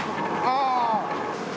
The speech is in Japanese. ああ。